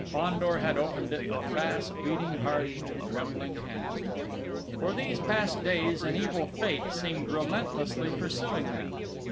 Fandor had opened it with fast beating heart and trembling hand! For these past days, an evil Fate seemed relentlessly pursuing them.